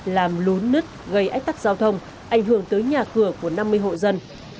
làm lún nứt gây ách tắc giao thông ảnh hưởng tới nhà cửa của năm mươi hộ dân